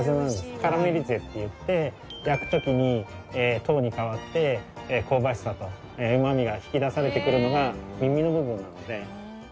カラメリゼっていって焼く時に糖に変わって香ばしさとうまみが引き出されてくるのが耳の部分なので。